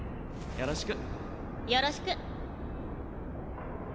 よろしく。